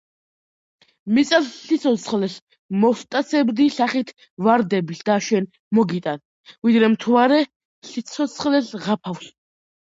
მიწას სიცოცხლეს მოვსტაცებდი სახით ვარდების და შენ მოგიტან, ვიდრე მთვარე სიცოცხლეს ღაფავს.